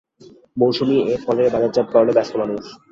মৌসুমি এই ফলের বাজারজাতকরণে ব্যস্ত মানুষ।